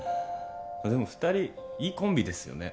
えっでも２人いいコンビですよね。